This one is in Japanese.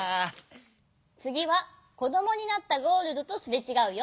つぎはこどもになったゴールドとすれちがうよ。